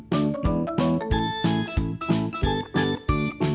เป็นยังไง